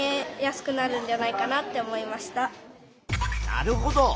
なるほど。